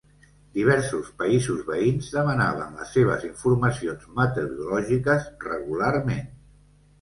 Diversos països veïns demanaven les seves informacions meteorològiques regularment.